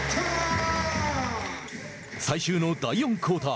最終の第４クオーター。